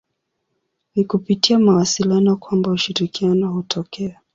Ni kupitia mawasiliano kwamba ushirikiano hutokea.